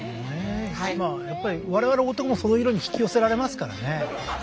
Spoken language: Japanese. まあやっぱり我々男もそういう色に引き寄せられますからね。